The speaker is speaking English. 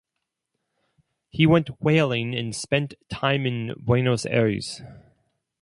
He went whaling and spent time in Buenos Aires.